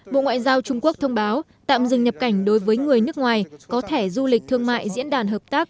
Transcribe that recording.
bộ ngoại giao trung quốc thông báo tạm dừng nhập cảnh đối với người nước ngoài có thẻ du lịch thương mại diễn đàn hợp tác